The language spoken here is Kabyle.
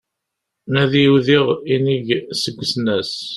Nadi udiɣ inig seg usnas